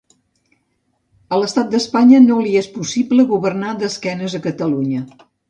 A l'estat d'Espanya no li és possible governar d'esquenes a Catalunya.